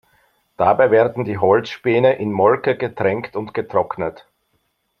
Dabei werden die Holzspäne in Molke getränkt und getrocknet.